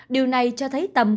điều này cho thấy tầm quan trọng